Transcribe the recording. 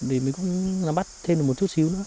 thì mình cũng bắt thêm một chút xíu nữa